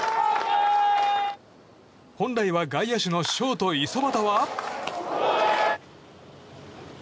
本来は外野手のショート、五十幡は。